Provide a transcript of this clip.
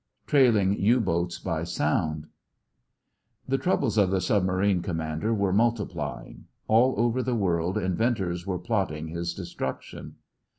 TRAILING U BOATS BY SOUND The troubles of the submarine commander were multiplying. All over the world inventors were plotting his destruction.